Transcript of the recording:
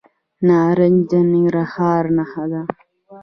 نارنج د ننګرهار نښه ده.